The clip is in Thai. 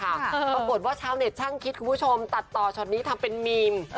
ปรากฏว่าชาวเน็ตช่างคิดคุณผู้ชมตัดต่อช็อตนี้ทำเป็นมีม